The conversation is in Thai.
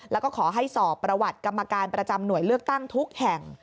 แล้วก็ขอให้สอบประวัติกรรมการประจำหน่วยเลือกตั้งทุกแห่ง